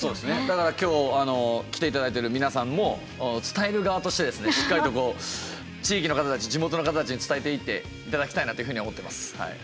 だから今日来ていただいている皆さんも伝える側としてですねしっかりと地域の方たち地元の方たちに伝えていっていただきたいなというふうに思ってます。